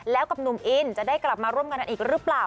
แล้วกับหนุ่มอินจะได้กลับมาร่วมกันกันอีกหรือเปล่า